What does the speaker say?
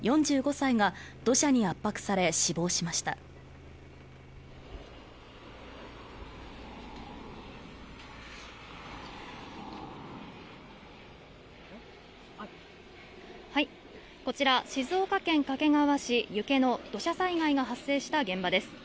４５歳が土砂に圧迫され死亡しましたこちら静岡県掛川市遊家の土砂災害が発生した現場です